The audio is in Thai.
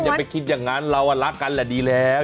อย่าไปคิดอย่างนั้นเรารักกันแหละดีแล้ว